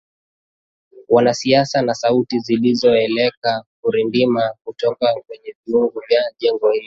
Wana wasiwasi na sauti zilizozoeleka kurindima kutoka kwenye viunga vya jengo hilo